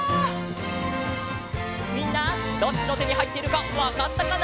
みんなどっちのてにはいっているかわかったかな？